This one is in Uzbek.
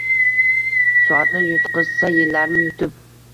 Soatni yutqizsa, yillarni yutib